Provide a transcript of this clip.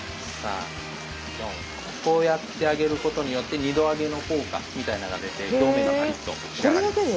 こうやってあげることによって２度揚げの効果みたいなのが出て表面がパリッと仕上がります。